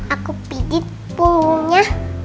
aku pijit punggungnya